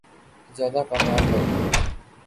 زیادہ کامیاب کریں